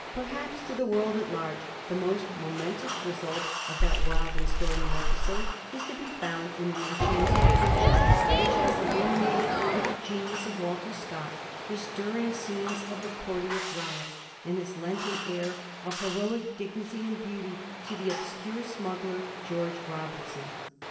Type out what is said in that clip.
Perhaps to the world at large the most momentous result of that wild and stormy episode is to be found in the en chanting fiction which has illuminated, with the genius of Walter Scott, the stirring scenes of the Porteous riots, and has lent an air of heroic dignity and beauty to the obscure smuggler, George Robertson.